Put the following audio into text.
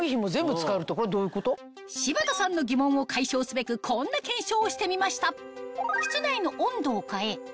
柴田さんの疑問を解消すべくこんな検証をしてみました